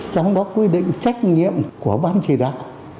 trong đó quy định trách nhiệm của ban chỉ đạo